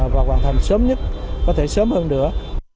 và hoàn thành sớm nhất có thể sớm hơn nữa